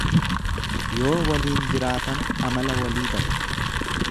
Yoo waliin jiraatan amala walii baru.